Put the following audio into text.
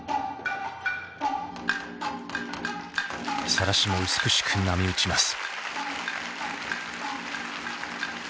［さらしも美しく波打ちます］